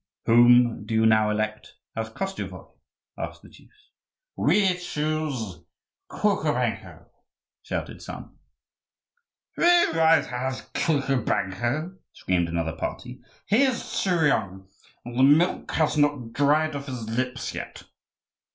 "Whom do you now elect as Koschevoi?" asked the chiefs. "We choose Kukubenko," shouted some. "We won't have Kukubenko!" screamed another party: "he is too young; the milk has not dried off his lips yet."